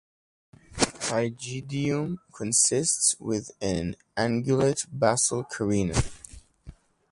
Pygidium consists with an angulate basal carina.